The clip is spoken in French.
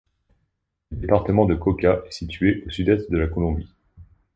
Le département de Cauca est situé au sud-ouest de la Colombie.